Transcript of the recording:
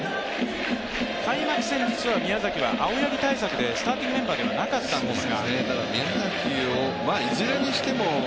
開幕戦、実は宮崎は青柳対策でスターティングメンバーではなかったんですが。